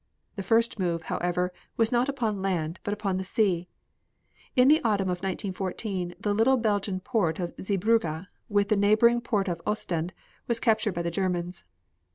The first move, however, was not upon land, but upon the sea. In the autumn of 1914 the little Belgian port of Zeebrugge, with the neighboring port of Ostend, was captured by the Germans.